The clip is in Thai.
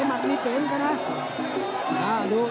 อ้า้รู้